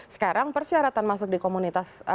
sekarang persyaratan masuk di komunitas